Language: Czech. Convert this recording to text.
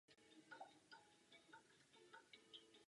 Jde o rozdělení podle plodu.